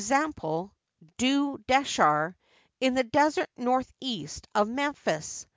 Du desher\ in the desert northeast of Memphis.